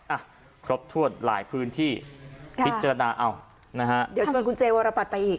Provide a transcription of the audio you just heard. อ่ะครบถ้วนหลายพื้นที่พิจารณาเอานะฮะเดี๋ยวชวนคุณเจวรปัตรไปอีก